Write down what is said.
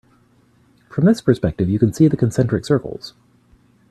From this perspective you can see the concentric circles.